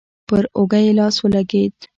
پر اوږه يې لاس ولګېد.